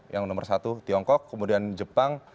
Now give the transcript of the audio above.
yang nomor satu tiongkok kemudian jepang